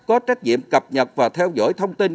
có trách nhiệm cập nhật và theo dõi thông tin